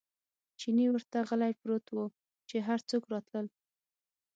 چیني ورته غلی پروت و، چې هر څوک راتلل.